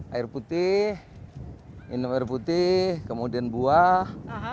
air putih minum air putih kemudian buah